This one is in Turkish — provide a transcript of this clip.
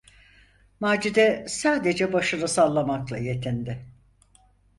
Macide sadece başını sallamakla yetindi.